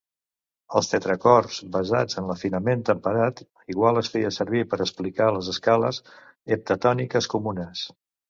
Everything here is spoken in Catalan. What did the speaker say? Els tetracords basats en l'afinament temperat igual es feia servir per explicar les escales heptatòniques comunes.